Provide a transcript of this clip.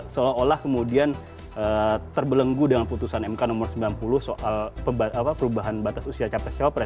seolah olah kemudian terbelenggu dengan putusan mk nomor sembilan puluh soal perubahan batas usia capres capres